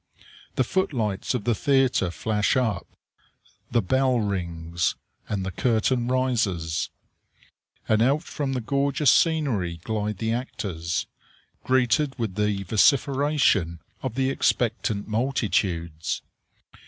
The footlights of the theatre flash up; the bell rings, and the curtain rises; and out from the gorgeous scenery glide the actors, greeted with the vociferation of the expectant multitudes.